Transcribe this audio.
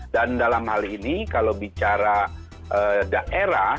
dan dalam hal ini kalau bicara daerah